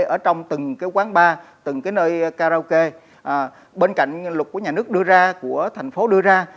ở trong từng cái quán bar từng cái nơi karaoke bên cạnh luật của nhà nước đưa ra của thành phố đưa ra